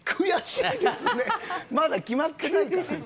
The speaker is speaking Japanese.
まだ決まってないから。